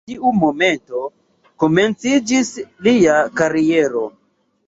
De tiu momento komenciĝis lia kariero.